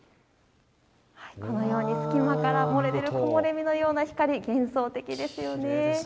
隙間から漏れ出る木漏れ日のような光が幻想的ですよね。